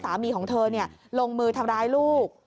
สามีของเธอลงมือทำร้ายลูก